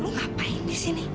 lu ngapain di sini